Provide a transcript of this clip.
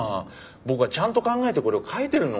僕はちゃんと考えてこれを書いてるの。